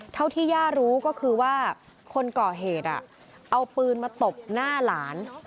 เท่าที่ย่ารู้ก็คือว่าคนก่อเหตุเอาปืนมาตบหน้าหลาน